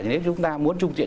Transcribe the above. nếu chúng ta muốn trung tiện